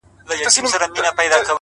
• تر څو به له پردیو ګیله مني لرو ژبي ,